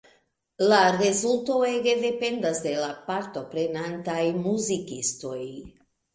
La rezulto ege dependas de la partoprenantaj muzikistoj.